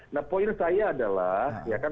nah poin saya adalah ya kan